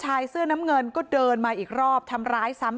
แต่คนที่เบิ้ลเครื่องรถจักรยานยนต์แล้วเค้าก็ลากคนนั้นมาทำร้ายร่างกาย